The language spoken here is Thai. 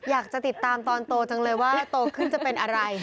อยากจะติดตามตอนโตจังเลยว่าโตขึ้นจะเป็นอะไร